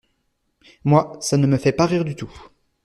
Moi, ça ne me fait pas rire du tout.